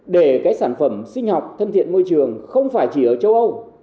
để cái sản phẩm sinh học thân thiện môi trường không phải chỉ ở châu âu